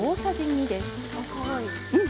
うん。